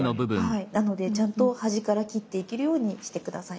なのでちゃんと端から切っていけるようにして下さい。